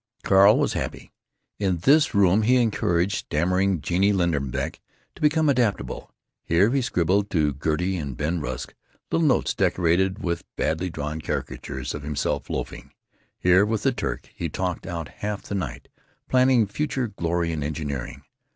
Carl was happy. In this room he encouraged stammering Genie Linderbeck to become adaptable. Here he scribbled to Gertie and Ben Rusk little notes decorated with badly drawn caricatures of himself loafing. Here, with the Turk, he talked out half the night, planning future glory in engineering.